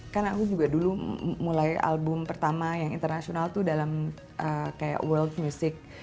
karena aku juga dulu mulai album pertama yang internasional itu dalam world music